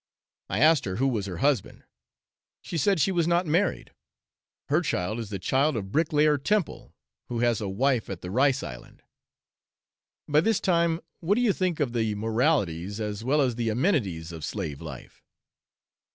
I asked her who was her husband. She said she was not married. Her child is the child of bricklayer Temple, who has a wife at the rice island. By this time, what do you think of the moralities, as well as the amenities, of slave life?